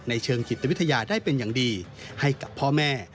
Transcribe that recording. เชิงจิตวิทยาได้เป็นอย่างดีให้กับพ่อแม่